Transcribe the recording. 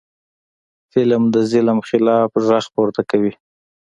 فلم د ظلم خلاف غږ پورته کوي